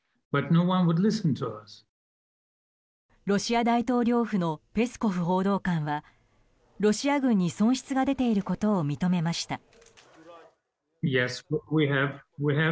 ロシア大統領府のペスコフ報道官はロシア軍に損失が出ていることを認めました。